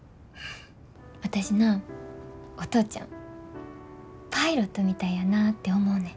私なお父ちゃんパイロットみたいやなて思うねん。